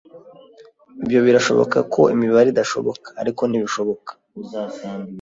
Ibyo birashoboka ko imibare idashoboka, ariko ntibishoboka.